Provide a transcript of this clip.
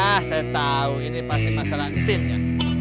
ah saya tahu ini pasti masalah timnya